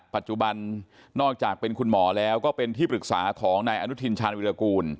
ปัจจุบันนอกจากเป็นคุณหมอแล้วก็เป็นที่ปรึกษาของนายอนุทินชาญวิรากูล